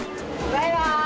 バイバーイ！